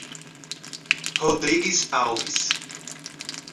Rodrigues Alves